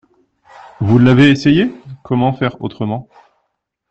Vous l’avez essayé? Comment faire autrement.